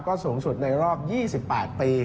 ก็สูงสุดในรอบ๒๘ปี